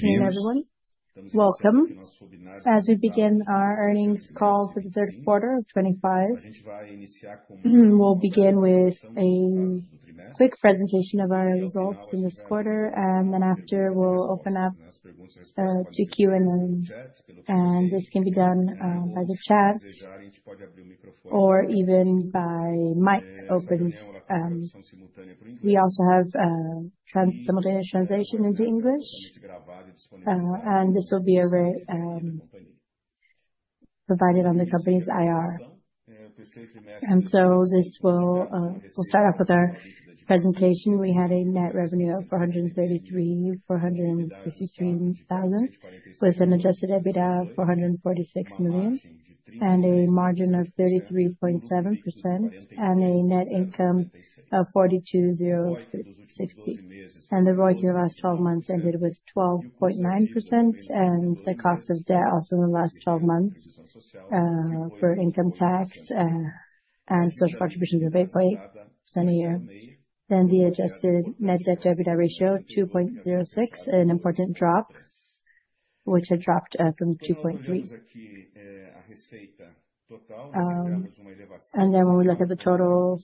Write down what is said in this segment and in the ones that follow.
Thank you. Thank you, everyone. Welcome. As we begin our earnings call for the third quarter of 2025, we'll begin with a quick presentation of our results in this quarter, and then after, we'll open up to Q&A, and this can be done by the chat or even by mic open. We also have translation into English, and this will be provided on the company's IR, and so this will start off with our presentation. We had a net revenue of 433,463,000, with an Adjusted EBITDA of 446 million, and a margin of 33.7%, and a net income of 4,260. And the ROIC in the last 12 months ended with 12.9%, and the cost of debt also in the last 12 months for income tax and social contributions of 8.8% a year, then the adjusted net debt to EBITDA ratio of 2.06, an important drop, which had dropped from 2.3. And then when we look at the total,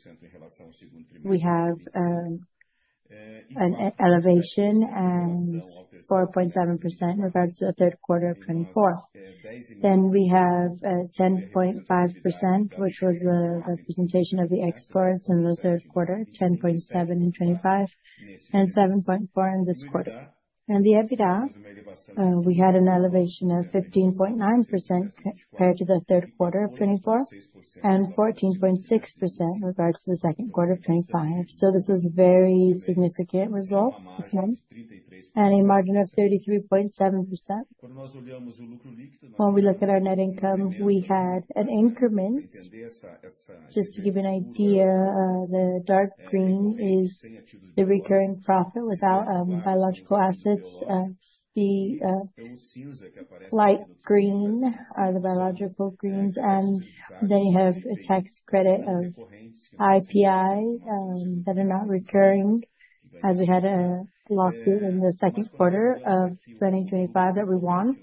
we have an elevation of 4.7% in regards to the third quarter of 2024. Then we have 10.5%, which was the representation of the exports in the third quarter, 10.7% in 2025, and 7.4% in this quarter. And the EBITDA, we had an elevation of 15.9% compared to the third quarter of 2024, and 14.6% in regards to the second quarter of 2025. So this was very significant results this month, and a margin of 33.7%. When we look at our net income, we had an increment. Just to give you an idea, the dark green is the recurring profit without biological assets. The light green are the biological gains, and they have a tax credit of IPI that are not recurring, as we had a lawsuit in the second quarter of 2025 that we won.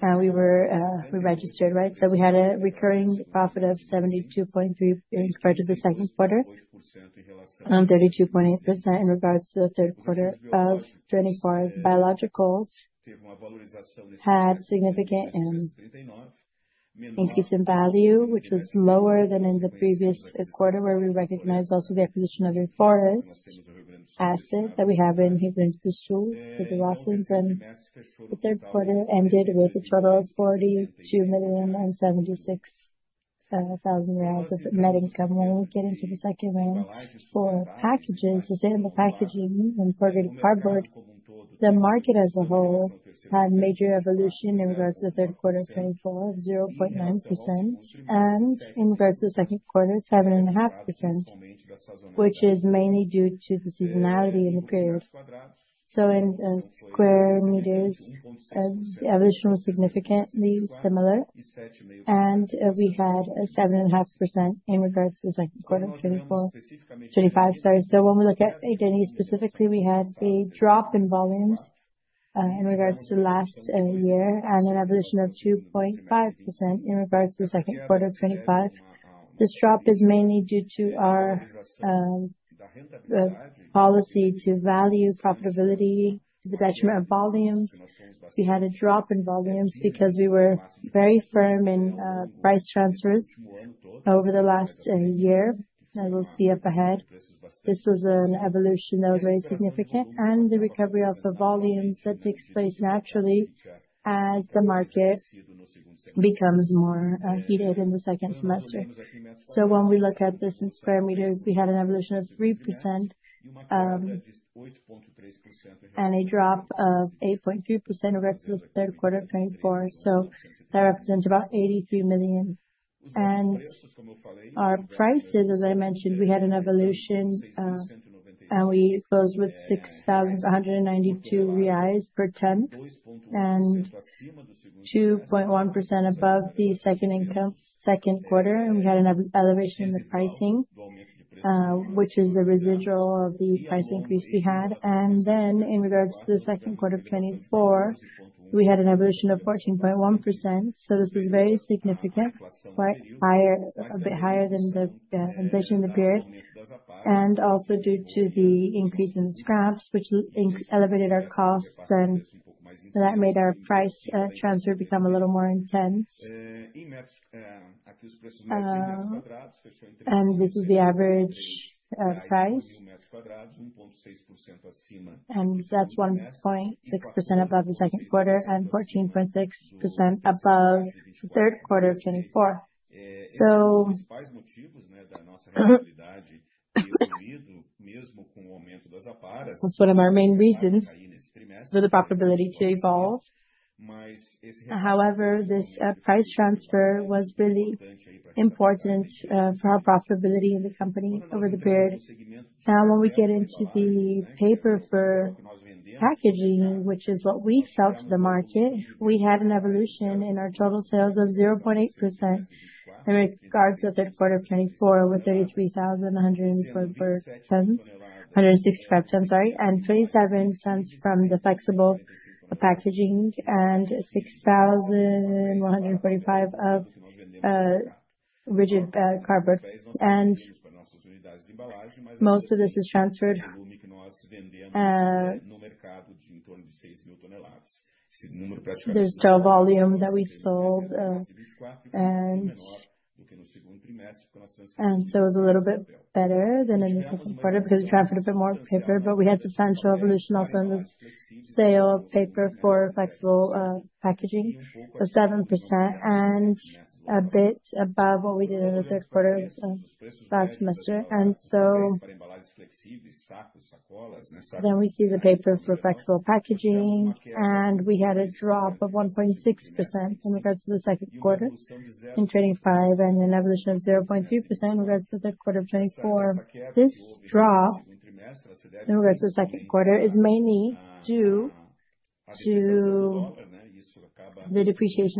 And we were registered, right? We had a recurring profit of 72.3% compared to the second quarter, and 32.8% in regards to the third quarter of 2024. Biologicals had significant increase in value, which was lower than in the previous quarter, where we recognized also the acquisition of a forest asset that we have in Rio Grande do Sul with the Rosslins. The third quarter ended with a total of BRL 42,076,000 of net income. When we get into the second round for packages, the paper packaging and corrugated cardboard, the market as a whole had a major evolution in regards to the third quarter of 2024 of 0.9%, and in regards to the second quarter, 7.5%, which is mainly due to the seasonality in the period. In square meters, the evolution was significantly similar, and we had 7.5% in regards to the second quarter of 2024. 2025, sorry. When we look at H&E specifically, we had a drop in volumes in regards to last year, and an evolution of 2.5% in regards to the second quarter of 2025. This drop is mainly due to our policy to value profitability to the detriment of volumes. We had a drop in volumes because we were very firm in price transfers over the last year, as we'll see up ahead. This was an evolution that was very significant, and the recovery of the volumes that takes place naturally as the market becomes more heated in the second semester. When we look at this in square meters, we had an evolution of 3% and a drop of 8.3% in regards to the third quarter of 2024. That represents about 83 million. Our prices, as I mentioned, we had an evolution, and we closed with 6,192 reais per ton, and 2.1% above the second quarter. And we had an elevation in the pricing, which is the residual of the price increase we had. And then in regards to the second quarter of 2024, we had an evolution of 14.1%. So this is very significant, quite higher, a bit higher than the inflation in the period, and also due to the increase in the scraps, which elevated our costs, and that made our price transfer become a little more intense. And this is the average price. And that's 1.6% above the second quarter and 14.6% above the third quarter of 2024. So, however, this price transfer was really important for our profitability in the company over the period. Now, when we get into the paper for packaging, which is what we sell to the market, we had an evolution in our total sales of 0.8% in regards to the third quarter of 2024 with 33,165.27 tons, sorry, from the flexible packaging and 6,145 tons of rigid cardboard. Most of this is transferred. There's still volume that we sold, and so it was a little bit better than in the second quarter because we transferred a bit more paper. We had substantial evolution also in the sale of paper for flexible packaging, 7%, and a bit above what we did in the third quarter of last semester. We see the paper for flexible packaging, and we had a drop of 1.6% in regards to the second quarter in 2025, and an evolution of 0.3% in regards to the third quarter of 2024. This drop in regards to the second quarter is mainly due to the depreciation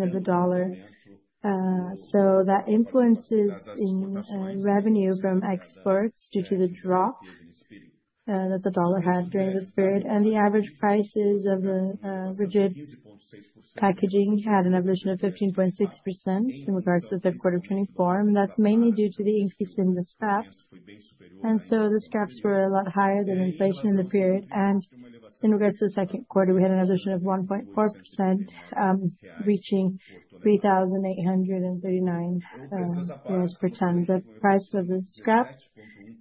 of the dollar, so that influences revenue from exports due to the drop that the dollar had during this period, and the average prices of the rigid packaging had an evolution of 15.6% in regards to the third quarter of 2024, and that's mainly due to the increase in the scraps, and so the scraps were a lot higher than inflation in the period, and in regards to the second quarter, we had an evolution of 1.4%, reaching 3,839 BRL per ton. The price of the scraps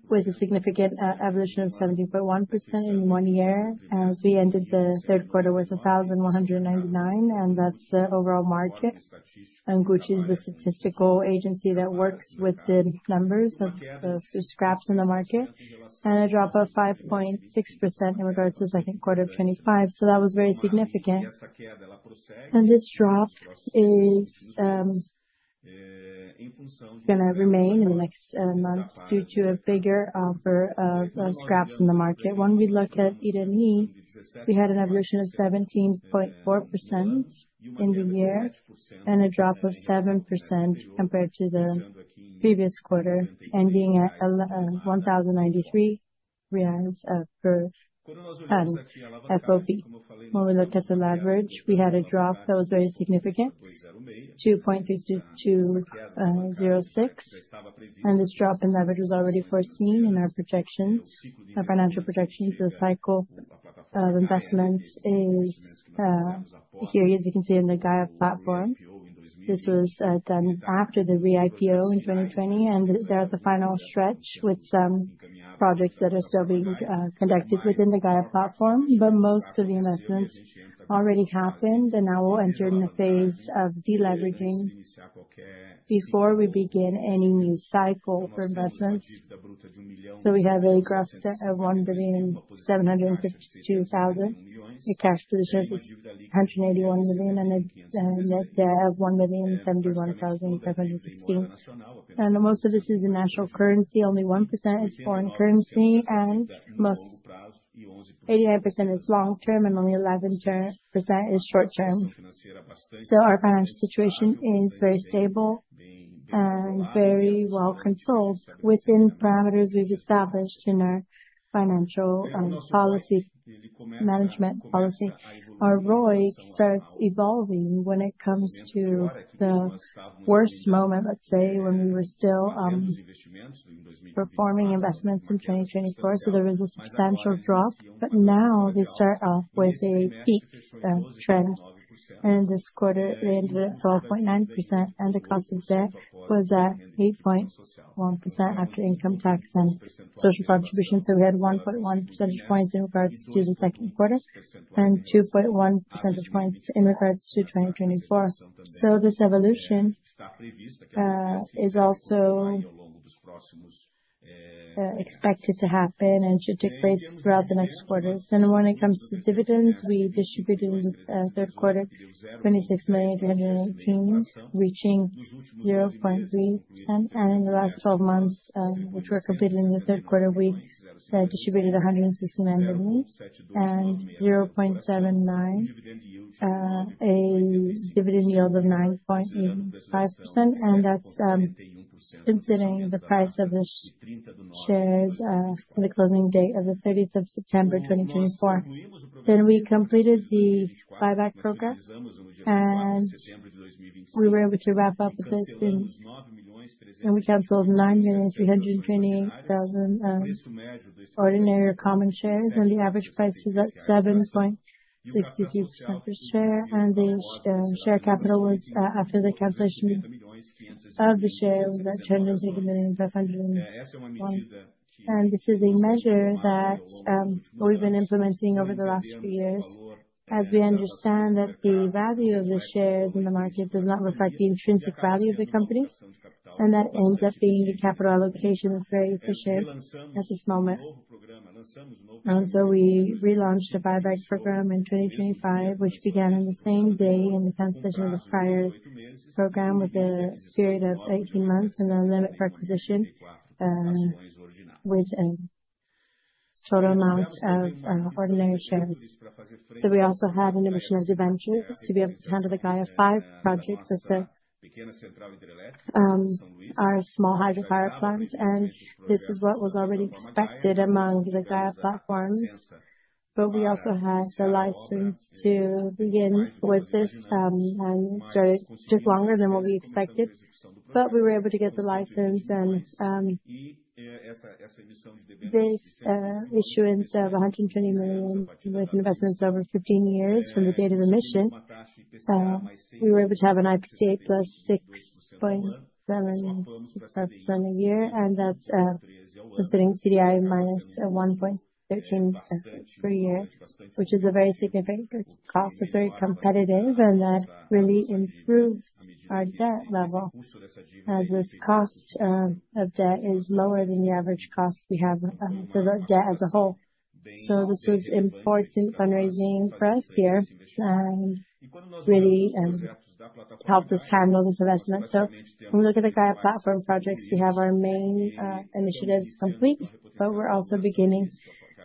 was a significant evolution of 17.1% in one year, as we ended the third quarter with 1,199 BRL, and that's the overall market. IBGE is the statistical agency that works with the numbers of the scraps in the market, and a drop of 5.6% in regards to the second quarter of 2025. That was very significant. This drop is going to remain in the next months due to a bigger offer of scraps in the market. When we look at H&E, we had an evolution of 17.4% in the year and a drop of 7% compared to the previous quarter, ending at BRL 1,093 per ton FOB. When we look at the leverage, we had a drop that was very significant, 2.6206. This drop in leverage was already foreseen in our projections, our financial projections for the cycle of investments. Here you can see in the Gaia Platform, this was done after the re-IPO in 2020, and they're at the final stretch with some projects that are still being conducted within the Gaia Platform. But most of the investments already happened, and now we'll enter in the phase of deleveraging before we begin any new cycle for investments. So we have a gross debt of 1,752,000, a cash position of 181 million, and a net debt of 1,071,516. And most of this is in national currency. Only 1% is foreign currency, and 89% is long-term, and only 11% is short-term. So our financial situation is very stable and very well controlled within parameters we've established in our financial policy management policy. Our ROI starts evolving when it comes to the worst moment, let's say, when we were still performing investments in 2024. So there was a substantial drop, but now they start off with a peak trend. And this quarter, they ended at 12.9%, and the cost of debt was at 8.1% after income tax and social contributions. So we had 1.1 percentage points in regards to the second quarter and 2.1 percentage points in regards to 2024. So this evolution is also expected to happen and should take place throughout the next quarter. Then when it comes to dividends, we distributed in the third quarter 26,318, reaching 0.3%. And in the last 12 months, which were completed in the third quarter, we distributed 169 dividends and 0.79, a dividend yield of 9.85%. And that's considering the price of the shares on the closing date of the 30th of September 2024. Then we completed the buyback program, and we were able to wrap up with this in. We canceled 9,328,000 ordinary or common shares, and the average price was 7.63 per share. The share capital was, after the cancellation of the share, 280,501. This is a measure that we've been implementing over the last few years, as we understand that the value of the shares in the market does not reflect the intrinsic value of the company, and that ends up being the capital allocation that's very efficient at this moment. We relaunched a buyback program in 2025, which began on the same day in the cancellation of the prior program with a period of 18 months and a limit for acquisition with a total amount of ordinary shares. We also had an addition of debentures to be able to handle the Gaia 5 project with our small hydropower plant. This is what was already expected among the Gaia platforms. We also had the license to begin with this and started just longer than what we expected. We were able to get the license and this issuance of 120 million with investments over 15 years from the date of emission. We were able to have an IPCA plus 6.76% a year, and that's considering CDI minus 1.13% per year, which is a very significant cost. It's very competitive, and that really improves our debt level, as this cost of debt is lower than the average cost we have for debt as a whole. This was important fundraising for us here and really helped us handle this investment. So when we look at the Gaia Platform projects, we have our main initiatives complete, but we're also beginning with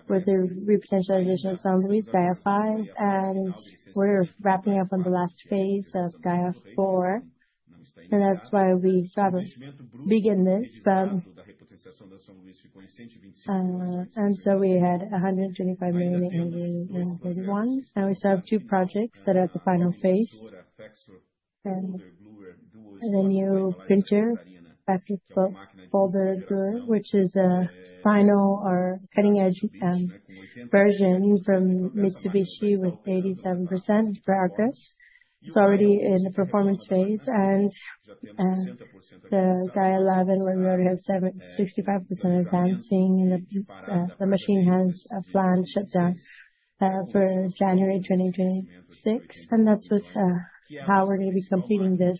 the repotentialization of Santa Luzia Gaia 5, and we're wrapping up on the last phase of Gaia 4. And that's why we started to begin this. And so we had 125,831. And we still have two projects that are at the final phase, the new printer folder gluer, which is a final or cutting-edge version from Mitsubishi with 87% advanced. It's already in the performance phase. And the Gaia 11, where we already have 65% advancing, the machine has a planned shutdown for January 2026. And that's how we're going to be completing this,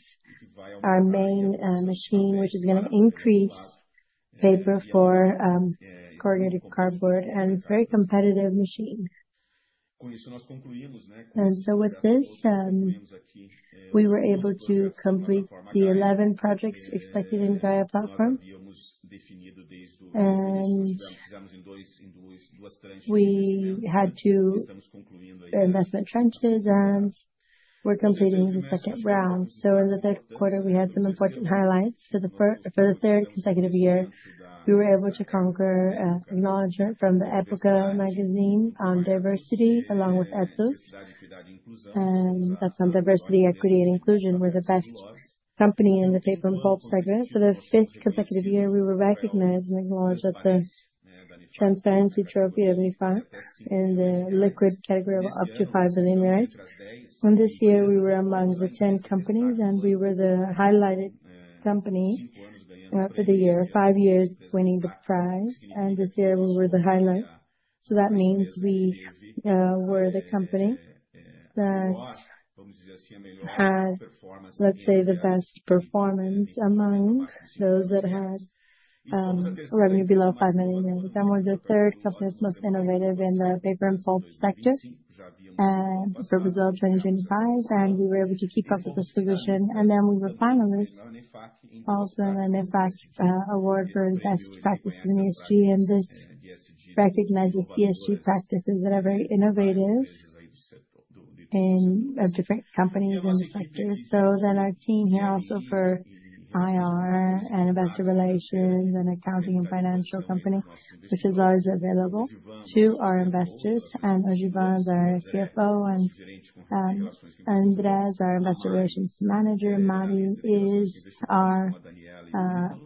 our main machine, which is going to increase paper for corrugated cardboard and very competitive machine. And so with this, we were able to complete the 11 projects expected in Gaia Platform. We had two investment tranches, and we're completing the second round. In the third quarter, we had some important highlights. For the third consecutive year, we were able to conquer acknowledgment from the Época Negócios magazine on diversity, along with Ethos. And that's on diversity, equity, and inclusion. We're the best company in the paper and pulp segment. For the fifth consecutive year, we were recognized and acknowledged at the Transparency Trophy of ANEFAC in the liquid category of up to 5 billion BRL. And this year, we were among the 10 companies, and we were the highlighted company for the year, five years winning the prize. And this year, we were the highlight. That means we were the company that had, let's say, the best performance among those that had revenue below 5 billion BRL. We're the third company that's most innovative in the paper and pulp sector for Brazil 2025. We were able to keep up with this position. We were finalists also in an ANEFAC award for best practices in ESG. This recognizes ESG practices that are very innovative in different companies in the sector. Our team here also for IR and investor relations and accounting and financial company, which is always available to our investors. Odivan is our CFO, and Andriéi is our investor relations manager. Mayra is our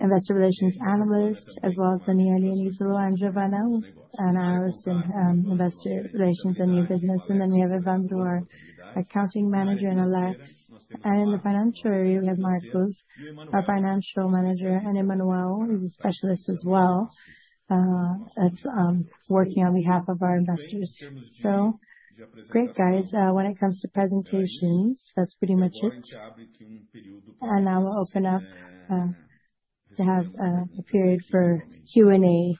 investor relations analyst, as well as the new Eni and Israel, and Giovana, an investor relations and new business. We have Evandro, our accounting manager, and Alex. In the financial area, we have Marcos, our financial manager, and Emmanuel, who's a specialist as well, that's working on behalf of our investors. Great, guys. When it comes to presentations, that's pretty much it. Now we'll open up to have a period for Q&A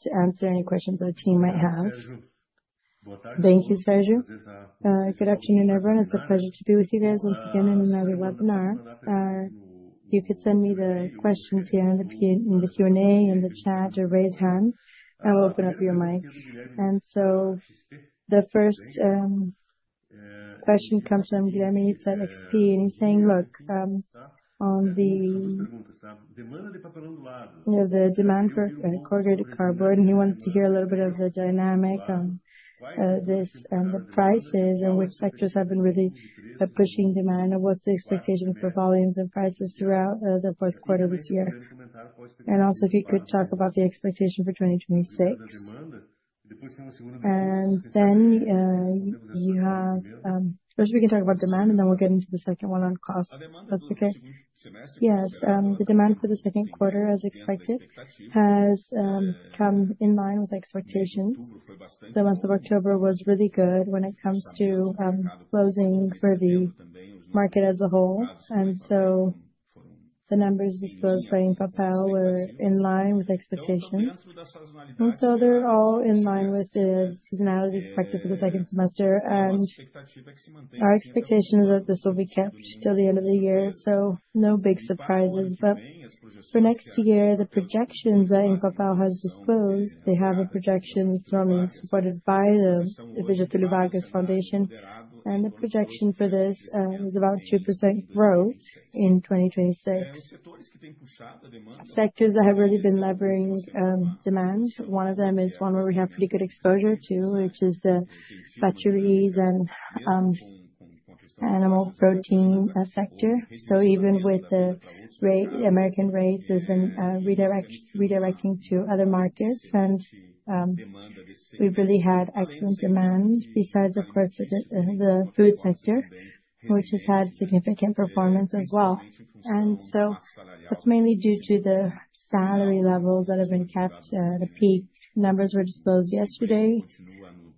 to answer any questions our team might have. Thank you, Sérgio. Good afternoon, everyone. It's a pleasure to be with you guys once again in another webinar. You could send me the questions here in the Q&A, in the chat, or raise hand, and we'll open up your mic. The first question comes from Guilherme at XP, and he's saying, "Look, on the demand for corrugated cardboard," and he wanted to hear a little bit of the dynamic on this and the prices and which sectors have been really pushing demand and what's the expectation for volumes and prices throughout the fourth quarter of this year. Also, if you could talk about the expectation for 2026. And then you have, first, we can talk about demand, and then we'll get into the second one on costs. That's okay. Yeah, the demand for the second quarter, as expected, has come in line with expectations. The month of October was really good when it comes to closing for the market as a whole. And so the numbers disclosed by Empapel were in line with expectations. And so they're all in line with the seasonality expected for the second semester. And our expectation is that this will be kept till the end of the year, so no big surprises. But for next year, the projections that Empapel has disclosed, they have a projection that's normally supported by the Getulio Vargas Foundation. And the projection for this is about 2% growth in 2026. Sectors that have really been leveraging demand, one of them is one where we have pretty good exposure to, which is the fisheries and animal protein sector. Even with the American tariffs, there's been redirection to other markets. We've really had excellent demand, besides, of course, the food sector, which has had significant performance as well. That's mainly due to the salary levels that have been kept at a peak. Numbers were disclosed yesterday.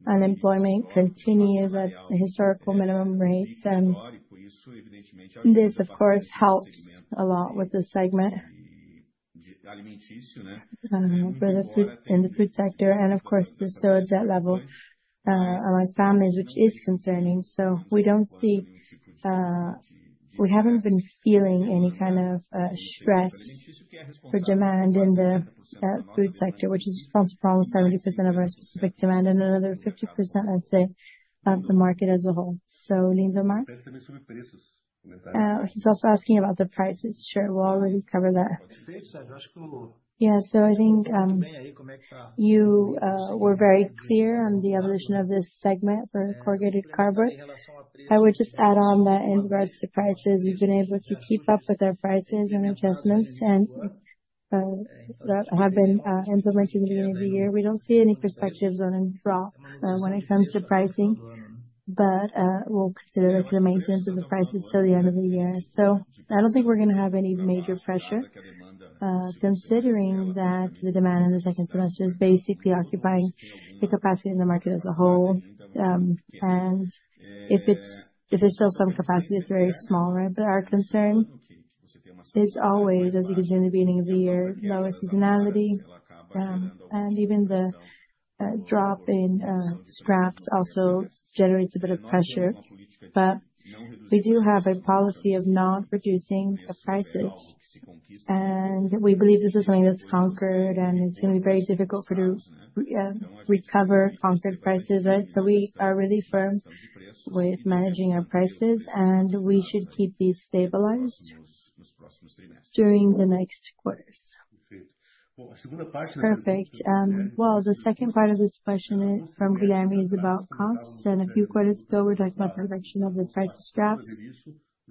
Unemployment continues at historical minimum rates. This, of course, helps a lot with the segment for the food sector. Of course, there's still a debt level among families, which is concerning. We don't see, we haven't been feeling any kind of stress for demand in the food sector, which is responsible for almost 70% of our specific demand and another 50%, I'd say, of the market as a whole. So, Lindomar, he's also asking about the prices. Sure, we'll already cover that. Yeah, so I think you were very clear on the evolution of this segment for corrugated cardboard. I would just add on that in regards to prices, we've been able to keep up with our prices and adjustments and have been implementing at the beginning of the year. We don't see any perspectives on a drop when it comes to pricing, but we'll consider the maintenance of the prices till the end of the year. So I don't think we're going to have any major pressure, considering that the demand in the second semester is basically occupying the capacity in the market as a whole. And if there's still some capacity, it's very small, right? But our concern is always, as you can see in the beginning of the year, lower seasonality. Even the drop in scraps also generates a bit of pressure. We do have a policy of not reducing the prices. We believe this is something that's conquered, and it's going to be very difficult for to recover conquered prices, right? We are really firm with managing our prices, and we should keep these stabilized during the next quarters. Perfect. The second part of this question from Guilherme is about costs. A few quarters ago, we were talking about the reduction of the price scraps.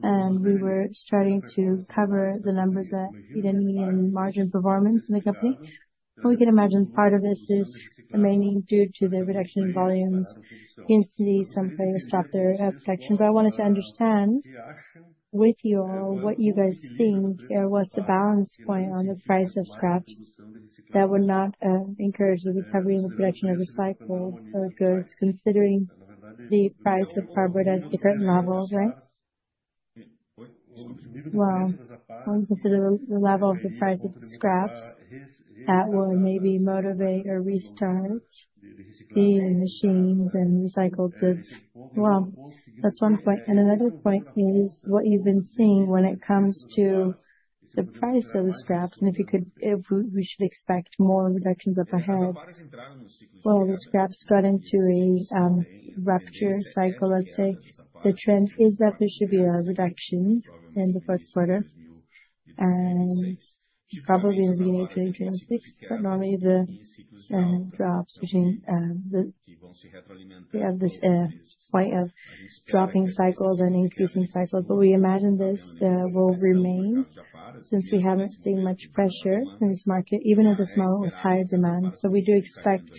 We were starting to cover the numbers that you didn't need in margin performance in the company. We can imagine part of this is remaining due to the reduction in volumes. You can see some players stopped their production. I wanted to understand with you all what you guys think, what's the balance point on the price of scraps that would not encourage the recovery and the production of recycled goods, considering the price of cardboard at different levels, right? Consider the level of the price of scraps that will maybe motivate or restart the machines and recycled goods. That's one point. Another point is what you've been seeing when it comes to the price of the scraps. And if we should expect more reductions up ahead, the scraps got into a rupture cycle, let's say. The trend is that there should be a reduction in the fourth quarter, and probably in the beginning of 2026. Normally, the drops between the point of dropping cycles and increasing cycles. We imagine this will remain since we haven't seen much pressure in this market, even at this moment with higher demand. We do expect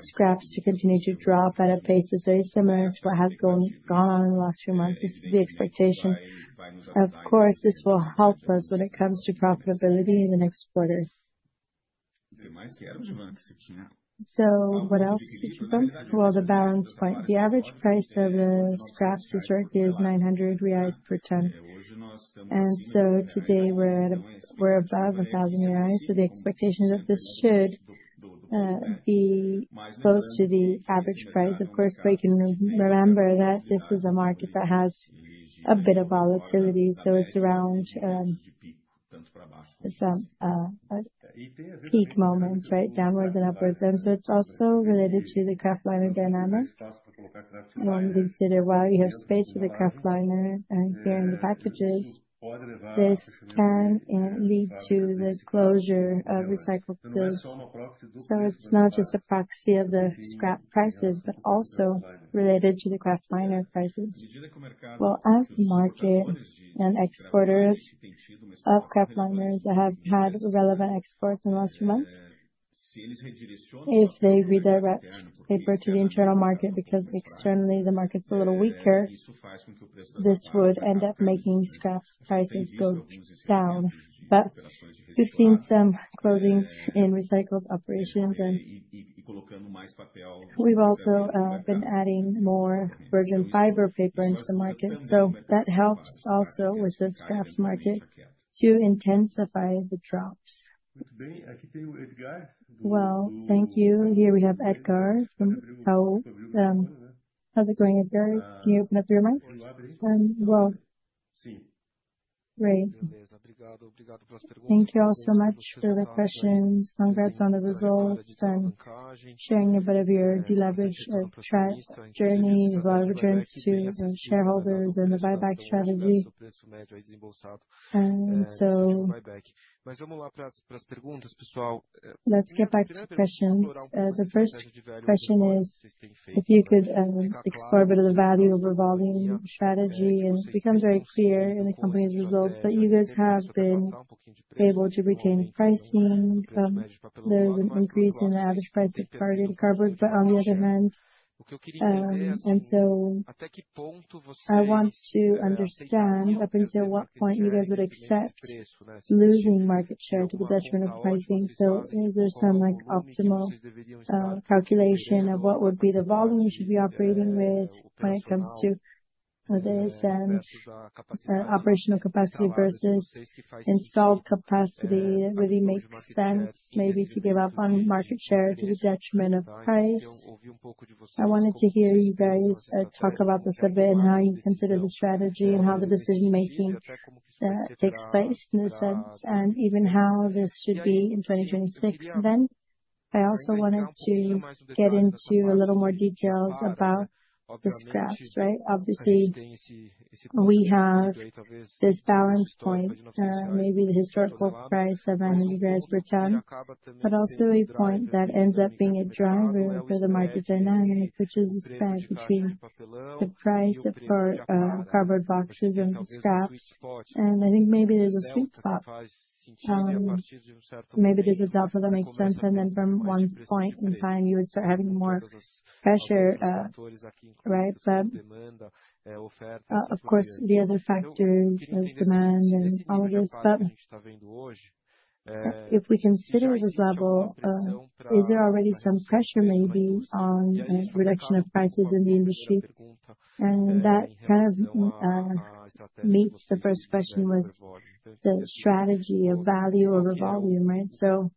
scraps to continue to drop at a pace that's very similar to what has gone on in the last few months. This is the expectation. Of course, this will help us when it comes to profitability in the next quarter. What else did you put? The balance point. The average price of the scraps historically is 900 reais per ton. Today, we're above 1,000 reais. The expectation is that this should be close to the average price. Of course, we can remember that this is a market that has a bit of volatility. It's around some peak moments, right, downwards and upwards. It's also related to the kraftliner dynamic. Consider while you have space for the kraftliner here in the packaging, this can lead to the closure of recycled goods. It's not just a proxy of the scraps prices, but also related to the kraftliner prices. As the market and exporters of kraftliners have had relevant exports in the last few months, if they redirect paper to the internal market because externally, the market's a little weaker, this would end up making scraps prices go down. But we've seen some closings in recycled operations and we've also been adding more virgin fiber paper into the market. That helps also with the scraps market to intensify the drops. Thank you. Here we have Edgar. How's it going, Edgar? Can you open up your mic? Great. Thank you all so much for the questions. Congrats on the results and sharing a bit of your deleveraging track journey of returns to shareholders and the buyback strategy. And so let's get back to questions. The first question is if you could explore a bit of the value over volume strategy. And it becomes very clear in the company's results that you guys have been able to retain pricing. There's an increase in the average price of corrugated cardboard. But on the other hand, and so I want to understand up until what point you guys would accept losing market share to the detriment of pricing. So is there some optimal calculation of what would be the volume you should be operating with when it comes to this and operational capacity versus installed capacity that really makes sense maybe to give up on market share to the detriment of price? I wanted to hear you guys talk about this a bit and how you consider the strategy and how the decision-making takes place in this sense and even how this should be in 2026. Then I also wanted to get into a little more details about the scraps, right? Obviously, we have this balance point, maybe the historical price of 900 BRL per ton, but also a point that ends up being a driver for the market dynamic, which is the spread between the price for cardboard boxes and scraps. And I think maybe there's a sweet spot. Maybe there's a delta that makes sense. And then from one point in time, you would start having more pressure, right? But of course, the other factors of demand and all of this. But if we consider this level, is there already some pressure maybe on reduction of prices in the industry? And that kind of meets the first question with the strategy of value over volume, right? So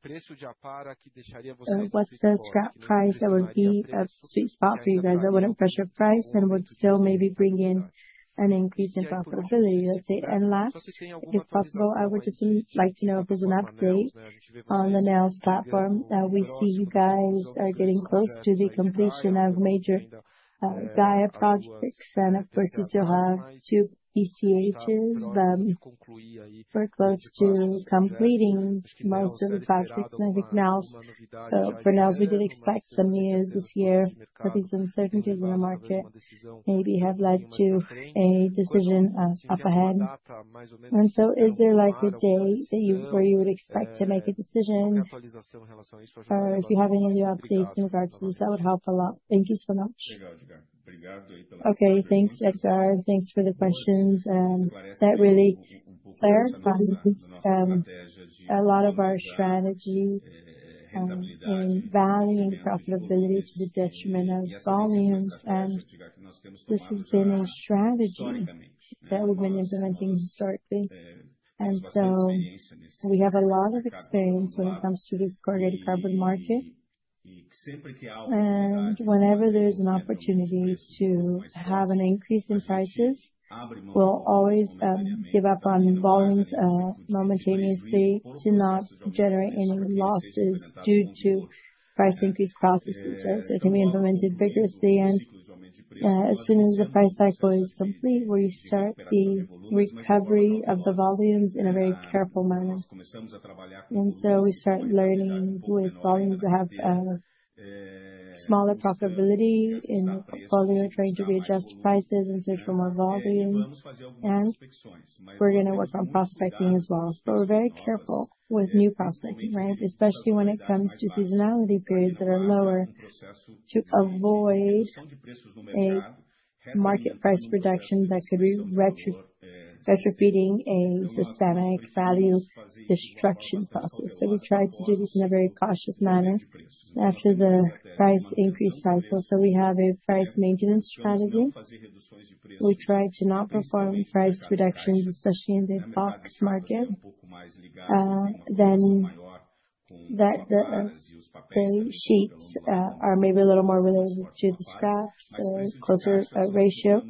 what's the scrap price that would be a sweet spot for you guys that wouldn't pressure price and would still maybe bring in an increase in profitability, let's say? And last, if possible, I would just like to know if there's an update on the NEOS platform. We see you guys are getting close to the completion of major Gaia projects. And of course, you still have two ECHs. We're close to completing most of the projects. And I think for NEOS, we did expect some news this year. But these uncertainties in the market maybe have led to a decision up ahead. And so is there like a day where you would expect to make a decision? Or if you have any new updates in regards to this, that would help a lot. Thank you so much. Okay, thanks, Edgar. Thanks for the questions. That really clarifies a lot of our strategy in value and profitability to the detriment of volumes. And this has been a strategy that we've been implementing historically. And so we have a lot of experience when it comes to this corrugated cardboard market. And whenever there's an opportunity to have an increase in prices, we'll always give up on volumes momentarily to not generate any losses due to price increase processes. So it can be implemented vigorously. And as soon as the price cycle is complete, we start the recovery of the volumes in a very careful manner. And so we start dealing with volumes that have smaller profitability in the portfolio, trying to readjust prices and search for more volume. And we're going to work on prospecting as well. So we're very careful with new prospecting, right? Especially when it comes to seasonality periods that are lower to avoid a market price reduction that could be retrofitting a systemic value destruction process. So we try to do this in a very cautious manner after the price increase cycle. So we have a price maintenance strategy. We try to not perform price reductions, especially in the box market. Then the sheets are maybe a little more related to the scraps or closer ratio.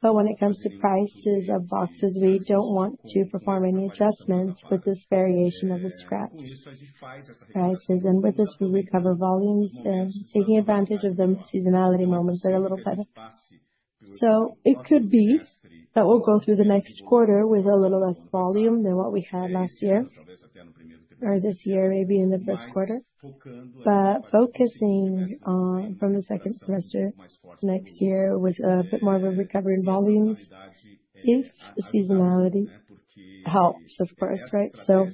But when it comes to prices of boxes, we don't want to perform any adjustments with this variation of the scraps prices. And with this, we recover volumes and take advantage of the seasonality moments that are a little better. So it could be that we'll go through the next quarter with a little less volume than what we had last year or this year, maybe in the first quarter. But focusing from the second semester next year with a bit more of a recovery in volumes if the seasonality helps, of course, right? So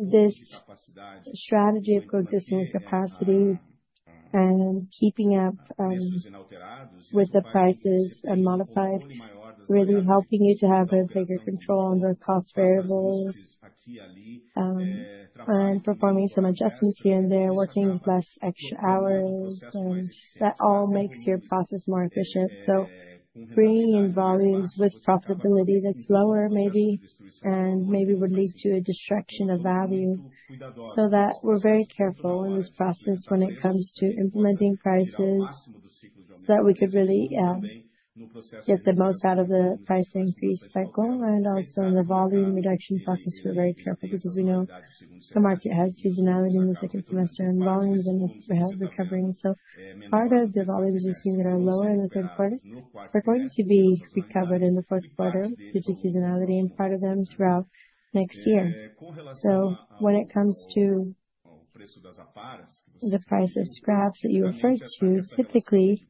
this strategy of coexisting with capacity and keeping up with the prices unmodified, really helping you to have a bigger control on the cost variables and performing some adjustments here and there, working with less extra hours. And that all makes your process more efficient. So bringing in volumes with profitability that's lower maybe and would lead to a destruction of value. So that we're very careful in this process when it comes to implementing prices so that we could really get the most out of the price increase cycle. Also in the volume reduction process, we're very careful because we know the market has seasonality in the second semester and volumes are recovering. Part of the volumes you're seeing that are lower in the third quarter, they're going to be recovered in the fourth quarter due to seasonality and part of them throughout next year. When it comes to the price of scraps that you referred to, typically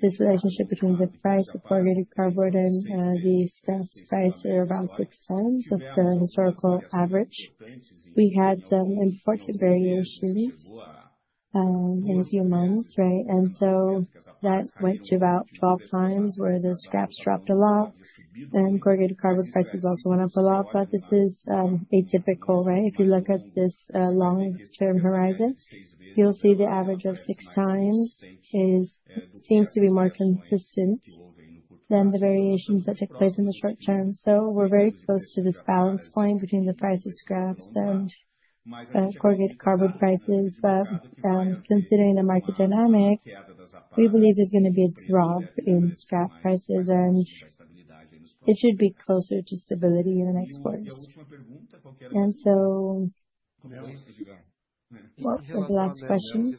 this relationship between the price of corrugated cardboard and the scraps price are about six times of the historical average. We had some important variation in a few months, right? So that went to about 12 times where the scraps dropped a lot. Corrugated cardboard prices also went up a lot. This is atypical, right? If you look at this long-term horizon, you'll see the average of six times seems to be more consistent than the variations that took place in the short term. So we're very close to this balance point between the price of scraps and corrugated cardboard prices. But considering the market dynamic, we believe there's going to be a drop in scrap prices, and it should be closer to stability in the next quarter, and so the last question,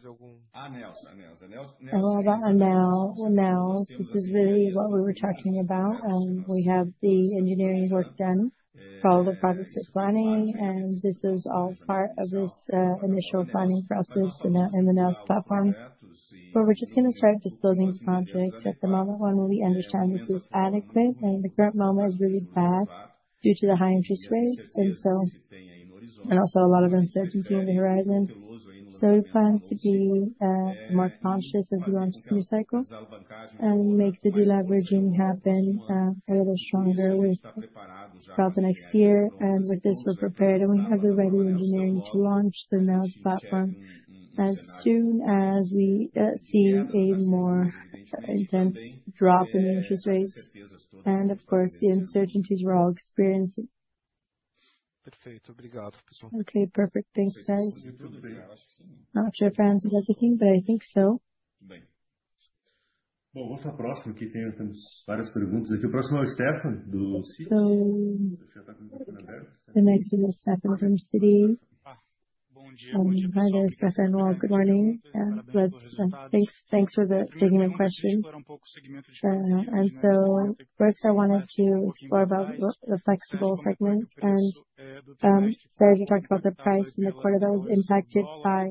well, about NEOS, this is really what we were talking about. We have the engineering work done, all the projects are planning, and this is all part of this initial planning process in the NEOS platform. But we're just going to start disclosing projects at the moment when we understand this is adequate. And the current moment is really bad due to the high interest rates. And also a lot of uncertainty in the horizon. So we plan to be more conscious as we launch new cycles and make the deleveraging happen a little stronger throughout the next year. And with this, we're prepared, and we have the ready engineering to launch the NEOS platform as soon as we see a more intense drop in the interest rates. And of course, the uncertainties we're all experiencing. Okay, perfect. Thanks, guys. Not sure if I answered everything, but I think so. The next is Stefan from Citi. Hi, there, Stefan. Good morning. Thanks for taking my question. And so first, I wanted to explore about the flexible segment. And Sarah, you talked about the price in the quarter that was impacted by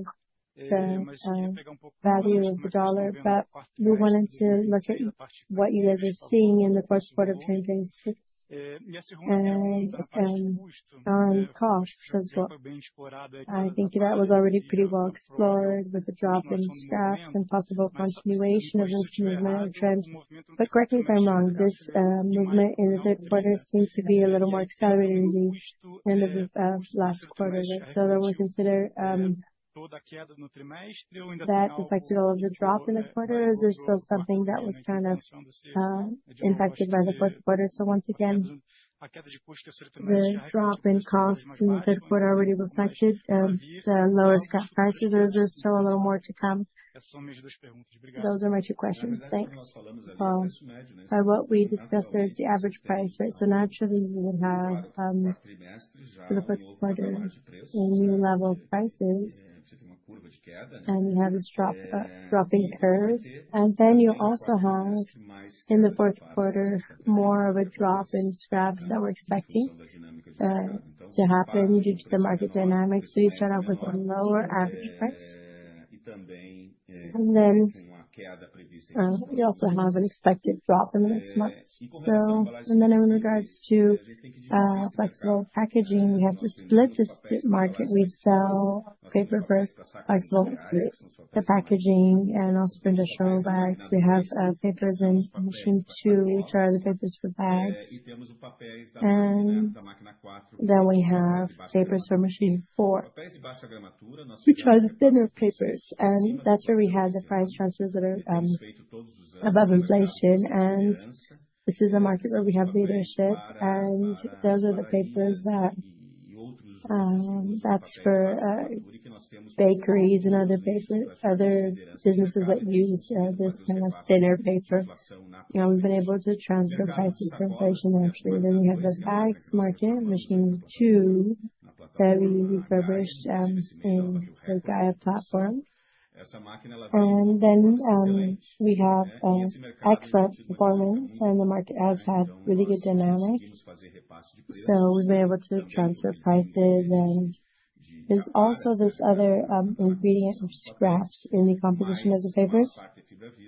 the value of the dollar. But we wanted to look at what you guys are seeing in the fourth quarter of 2026 and on costs as well. I think that was already pretty well explored with the drop in scraps and possible continuation of this movement trend. But correct me if I'm wrong, this movement in the third quarter seemed to be a little more accelerated in the end of the last quarter. So that we'll consider that affected all of the drop in the quarter? Or is there still something that was kind of impacted by the fourth quarter? So once again, the drop in costs in the third quarter already reflected the lower scrap prices. Or is there still a little more to come? Those are my two questions. Thanks. By what we discussed, there's the average price, right? So naturally, you would have for the fourth quarter a new level of prices. You have this dropping curve. You also have in the fourth quarter more of a drop in scraps that we're expecting to happen due to the market dynamics. You start off with a lower average price. You also have an expected drop in the next month. In regards to flexible packaging, we have to split this market. We sell paper for flexible packaging and also print and sew bags. We have papers in machine two, which are the papers for bags. We have papers for machine four, which are the thinner papers. That's where we have the price transfers that are above inflation. This is a market where we have leadership. Those are the papers that’s for bakeries and other businesses that use this kind of thinner paper. We've been able to transfer prices for inflation, actually, then we have the bags market, machine two, that we refurbished in the Gaia Platform, and then we have excellent performance, and the market has had really good dynamics, so we've been able to transfer prices, and there's also this other ingredient of scraps in the composition of the papers,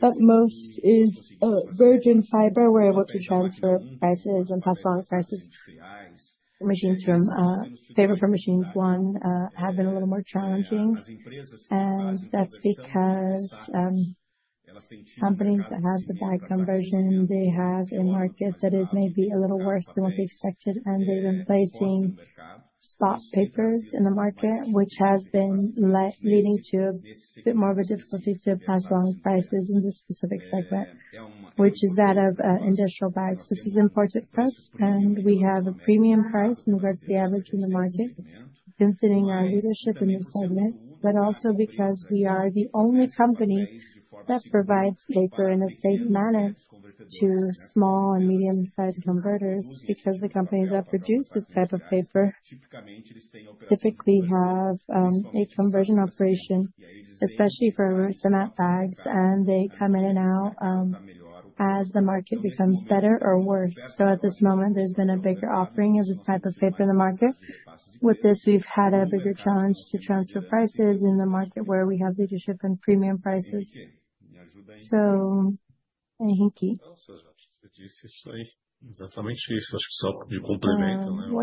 but most is virgin fiber. We're able to transfer prices and pass along prices. Paper for machines one have been a little more challenging, and that's because companies that have the bag conversion, they have a market that is maybe a little worse than what they expected, and they've been placing spot papers in the market, which has been leading to a bit more of a difficulty to pass along prices in this specific segment, which is that of industrial bags. This is important for us. We have a premium price in regards to the average in the market, considering our leadership in this segment. But also because we are the only company that provides paper in a safe manner to small and medium-sized converters, because the companies that produce this type of paper typically have a conversion operation, especially for cement bags. And they come in and out as the market becomes better or worse. So at this moment, there's been a bigger offering of this type of paper in the market. With this, we've had a bigger challenge to transfer prices in the market where we have leadership and premium prices. So exactly. Well,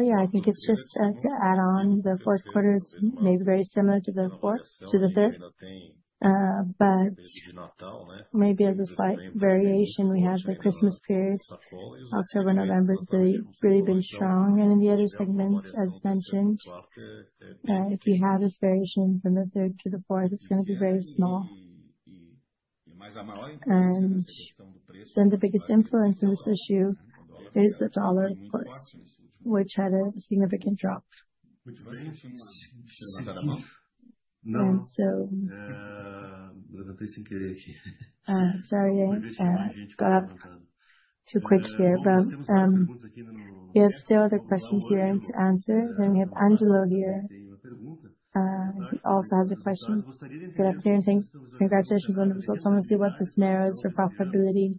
yeah, I think it's just to add on. The fourth quarter is maybe very similar to the third. But maybe as a slight variation, we have the Christmas period, October, November. Has really been strong. In the other segment, as mentioned, if you have this variation from the third to the fourth, it's going to be very small. And then the biggest influence in this issue is the dollar, of course, which had a significant drop. And so, sorry, I got up too quick here. But we have still other questions here to answer. Then we have Angelo here. He also has a question. Good afternoon. Thanks. Congratulations on the results. I want to see what this means for profitability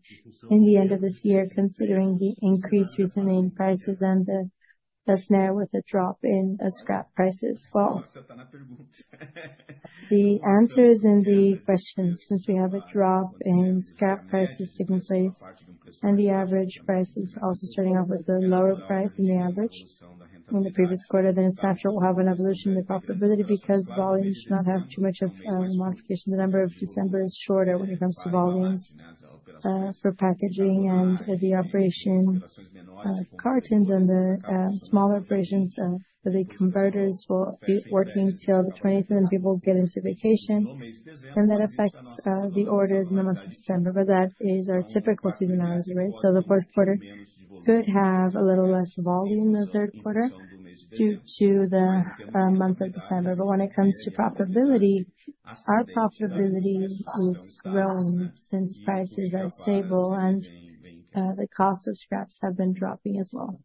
in the end of this year, considering the increase recently in prices and the scenario with a drop in scrap prices. Well, the answer is in the questions. Since we have a drop in scrap prices taking place and the average prices also starting off with the lower price than the average in the previous quarter, then it's natural we'll have an evolution in profitability because volumes do not have too much of a modification. The number of December is shorter when it comes to volumes for packaging and the operation of cartons and the smaller operations for the converters will be working till the 20th, and then people get into vacation. And that affects the orders in the month of December. But that is our typical seasonality rate. So the fourth quarter could have a little less volume in the third quarter due to the month of December. But when it comes to profitability, our profitability is growing since prices are stable and the cost of scraps have been dropping as well.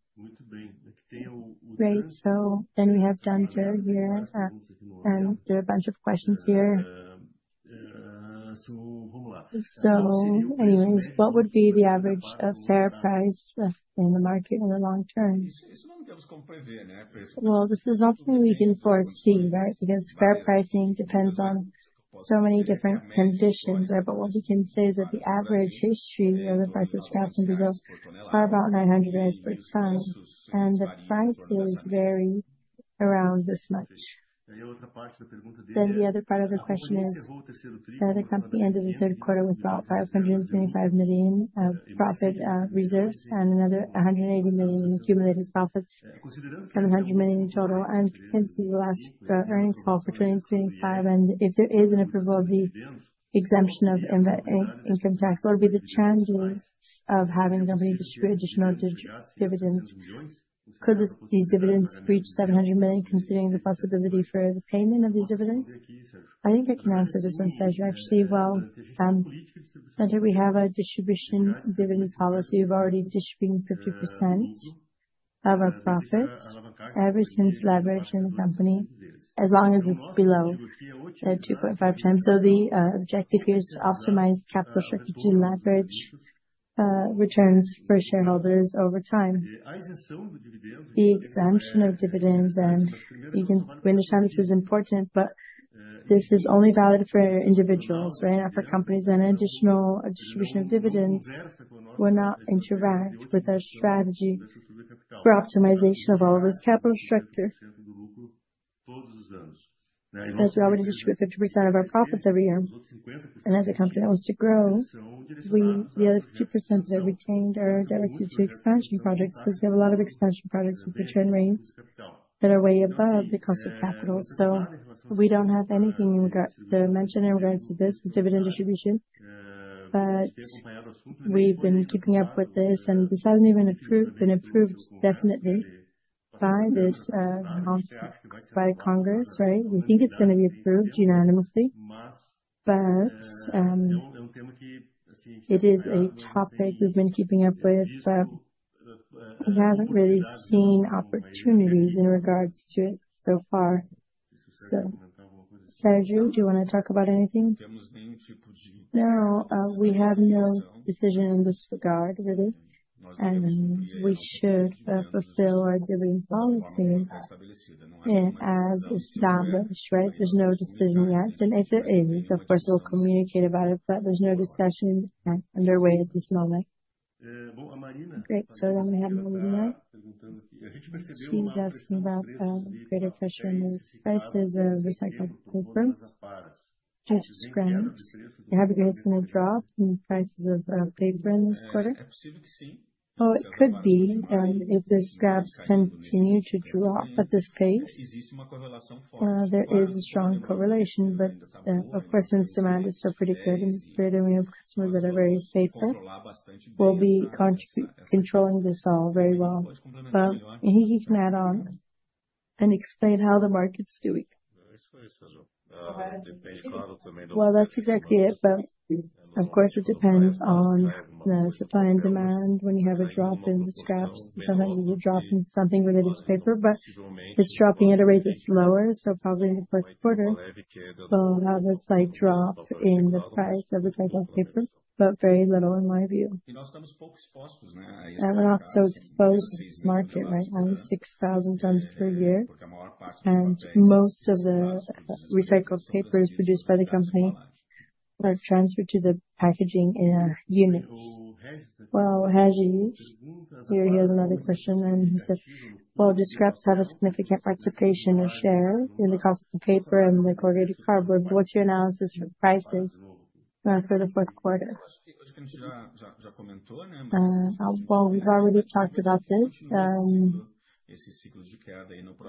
Right. So then we have done good here. And there are a bunch of questions here. So anyways, what would be the average fair price in the market in the long term? Well, this is ultimately we can foresee, right? Because fair pricing depends on so many different conditions there. But what we can say is that the average history of the price of scraps in Brazil is about 900 reais per ton. And the prices vary around this much. Then the other part of the question is that the company ended the third quarter with about 525 million of profit reserves and another 180 million in accumulated profits, 700 million in total. And since the last earnings call for 2025, and if there is an approval of the exemption of income tax, what would be the challenges of having the company distribute additional dividends? Could these dividends reach 700 million, considering the possibility for the payment of these dividends? I think I can answer this one, Sarah, actually. Well, we have a distribution dividend policy. We've already distributed 50% of our profits ever since leverage in the company, as long as it's below that 2.5 times. So the objective here is to optimize capital structure to leverage returns for shareholders over time. The exemption of dividends, and we understand this is important, but this is only valid for individuals, right? And for companies, an additional distribution of dividends will not interact with our strategy for optimization of all of this capital structure. As we already distribute 50% of our profits every year, and as a company that wants to grow, the other 50% that are retained are directed to expansion projects because we have a lot of expansion projects with return rates that are way above the cost of capital. So we don't have anything to mention in regards to this with dividend distribution. But we've been keeping up with this. And this hasn't even been approved definitely by Congress, right? We think it's going to be approved unanimously. But it is a topic we've been keeping up with. We haven't really seen opportunities in regards to it so far. So Sarah, do you want to talk about anything? No, we have no decision in this regard, really. And we should fulfill our dividend policy as established, right? There's no decision yet. And if there is, of course, we'll communicate about it. But there's no discussion underway at this moment. Great. So then we have Marina. She's asking about greater pressure on the prices of recycled paper due to scraps. Have you guys seen a drop in the prices of paper in this quarter? Well, it could be if the scraps continue to drop at this pace. There is a strong correlation. But of course, since demand is still pretty good in this period, and we have customers that are very faithful, we'll be controlling this all very well. But he can add on and explain how the market's doing. Well, that's exactly it. But of course, it depends on the supply and demand. When you have a drop in the scraps, sometimes there's a drop in something related to paper. But it's dropping at a rate that's lower. So probably in the fourth quarter, we'll have a slight drop in the price of recycled paper. But very little, in my view. And we're not so exposed to this market, right? Only 6,000 tons per year. And most of the recycled paper is produced by the company or transferred to the packaging unit. Well, here he has another question. And he says, well, do scraps have a significant participation or share in the cost of paper and the corrugated cardboard? What's your analysis for prices for the fourth quarter? Well, we've already talked about this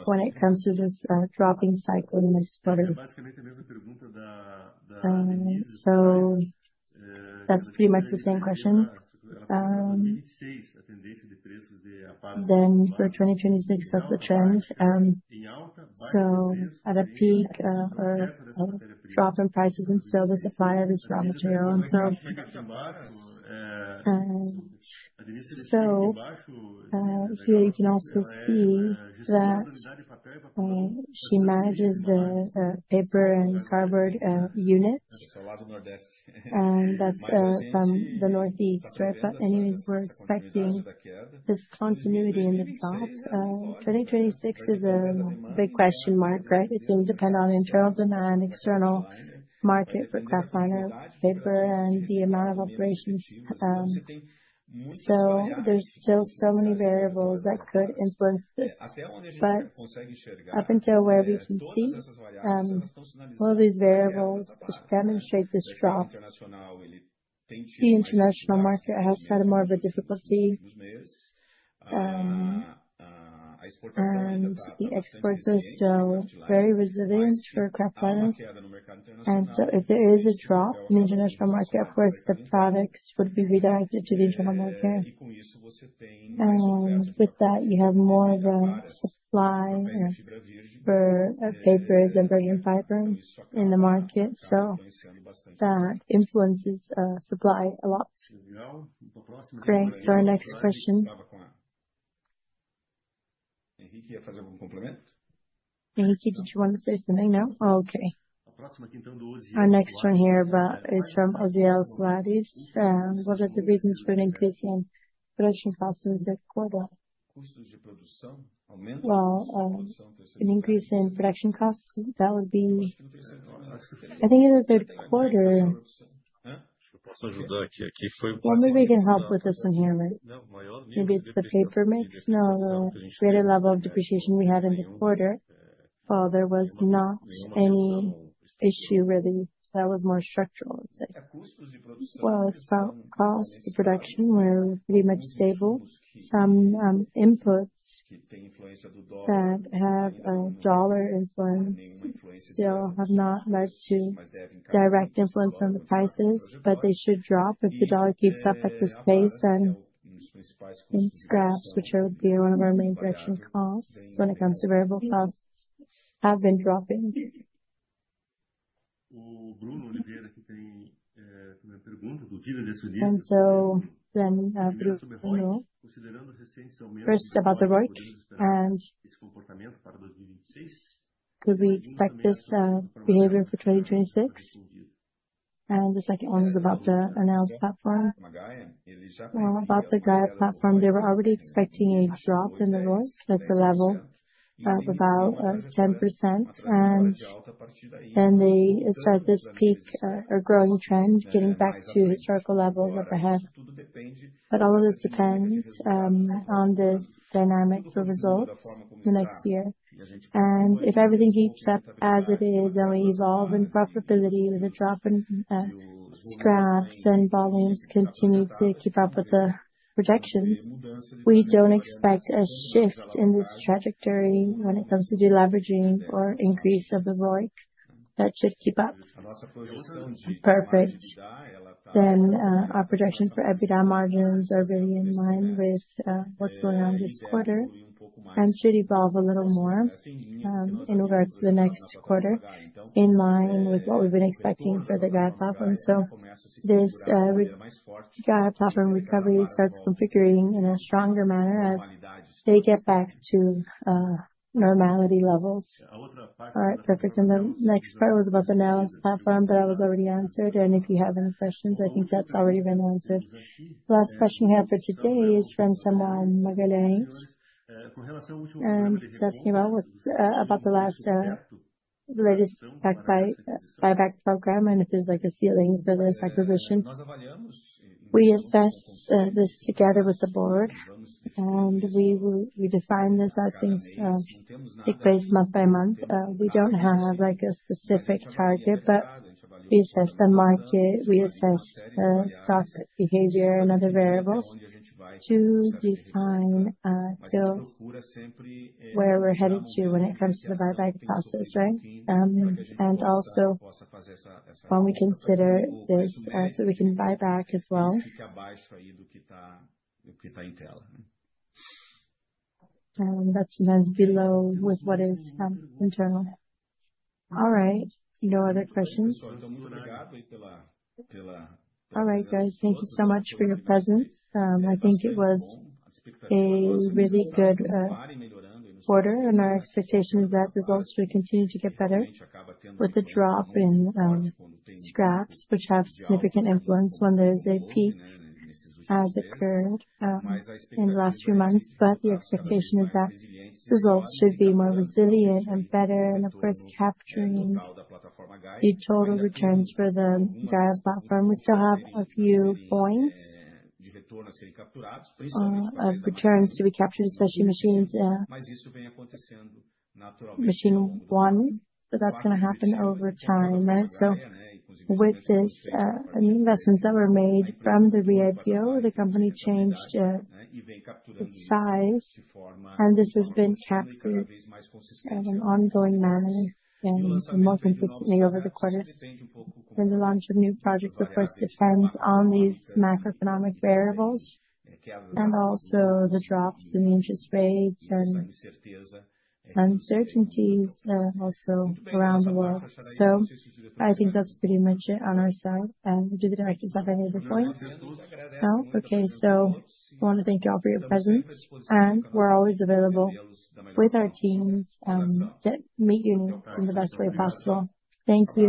when it comes to this dropping cycle in the next quarter. So that's pretty much the same question. Then for 2026, that's the trend. So at a peak or a drop in prices, and still the supply of this raw material. And so here you can also see that she manages the paper and cardboard unit. And that's from the Northeast, right? But anyways, we're expecting this continuity in the South. 2026 is a big question mark, right? It's going to depend on internal demand, external market for kraftliner paper, and the amount of operations. So there's still so many variables that could influence this. But up until where we can see, all these variables which demonstrate this drop, the international market has had more of a difficulty. And the exports are still very resilient for kraft liners. And so if there is a drop in the international market, of course, the products would be redirected to the internal market. And with that, you have more of a supply for papers and virgin fiber in the market. So that influences supply a lot. Great. So our next question. Henrique, did you want to say something? No? Oh, okay. Our next one here, but it's from Oziel Soares. What are the reasons for an increase in production costs in the third quarter? Well, an increase in production costs, that would be, I think, in the third quarter. Well, maybe I can help with this one here, right? Maybe it's the paper mix. No, the greater level of depreciation we had in the quarter, well, there was not any issue really. That was more structural, let's say. Well, it's about cost of production. We're pretty much stable. Some inputs that have a dollar influence still have not led to direct influence on the prices. But they should drop. If the dollar keeps up at this pace, then scraps, which would be one of our main production costs when it comes to variable costs, have been dropping. And so then first about the ROIC and could we expect this behavior for 2026? And the second one is about the announced platform. Well, about the Gaia platform, they were already expecting a drop in the ROIC at the level of about 10%. And then they said this peak or growing trend, getting back to historical levels of a half. But all of this depends on this dynamic for results the next year. And if everything keeps up as it is and we evolve in profitability with a drop in scraps and volumes continue to keep up with the projections, we don't expect a shift in this trajectory when it comes to deleveraging or increase of the ROIC that should keep up. Perfect. Then our projections for EBITDA margins are really in line with what's going on this quarter and should evolve a little more in regards to the next quarter in line with what we've been expecting for the Gaia Platform. So this Gaia Platform recovery starts configuring in a stronger manner as they get back to normality levels. All right, perfect. And the next part was about the Nellis platform, but that was already answered. And if you have any questions, I think that's already been answered. Last question we have for today is from someone Magalhães. And he's asking about the latest buyback program and if there's like a ceiling for this acquisition. We assess this together with the board, and we define this as things take place month by month. We don't have like a specific target, but we assess the market, we assess stock behavior, and other variables to define where we're headed to when it comes to the buyback process, right? And also when we consider this so we can buy back as well. That's sometimes below with what is internal. All right. No other questions. All right, guys. Thank you so much for your presence. I think it was a really good quarter, and our expectation is that results should continue to get better with the drop in scraps, which have significant influence when there is a peak as occurred in the last few months. But the expectation is that results should be more resilient and better, and of course, capturing the total returns for the Gaia Platform. We still have a few points of returns to be captured, especially machine one. But that's going to happen over time, right? So with these investments that were made from the re-IPO, the company changed its size, and this has been captured in an ongoing manner and more consistently over the quarters. And the launch of new projects, of course, depends on these macroeconomic variables and also the drops in interest rates and uncertainties also around the world. So I think that's pretty much it on our side. And do the directors have any other points? No? Okay. So I want to thank you all for your presence. And we're always available with our teams to meet you in the best way possible. Thank you.